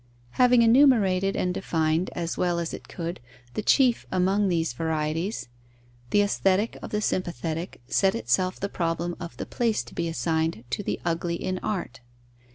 _ Having enumerated and defined, as well as it could, the chief among these varieties, the Aesthetic of the sympathetic set itself the problem of the place to be assigned to the ugly in art.